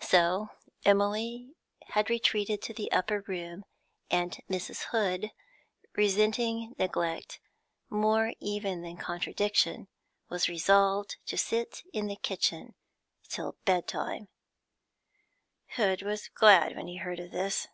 So Emily had retreated to the upper room, and Mrs. Hood, resenting neglect more even than contradiction, was resolved to sit in the kitchen till bedtime. Hood was glad when he heard of this.